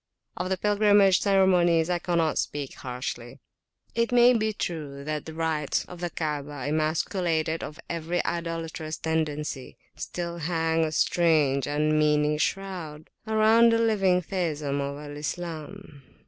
Of the pilgrimage ceremonies I cannot speak harshly. It may be true that the rites of the Kaabah, emasculated of every idolatrous tendency, still hang a strange unmeaning shroud around the living theism of Islam.